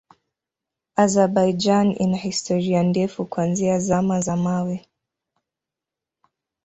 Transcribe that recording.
Azerbaijan ina historia ndefu kuanzia Zama za Mawe.